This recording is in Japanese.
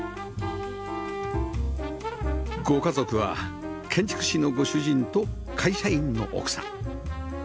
ご家族は建築士のご主人と会社員の奥さん